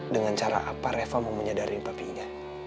dengan cara apa reva mau menyadari papinya